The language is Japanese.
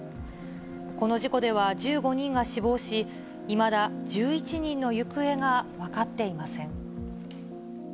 この事故では、１５人が死亡し、いまだ１１人の行方が分かっていません。